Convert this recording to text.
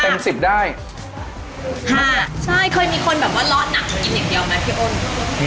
เต็ม๑๐ได้